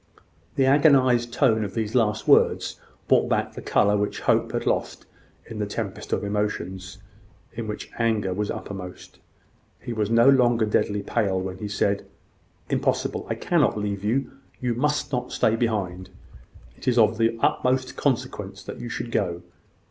The agonised tone of these last words brought back the colour which Hope had lost in the tempest of emotions, in which anger was uppermost. He was no longer deadly pale when he said: "Impossible. I cannot leave you. You must not stay behind. It is of the utmost consequence that you should go.